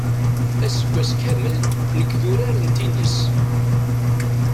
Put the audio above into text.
Aseggas kamel nekk d urar n tinis.